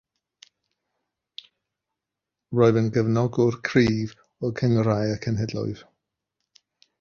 Roedd yn gefnogwr cryf o Gynghrair y Cenhedloedd.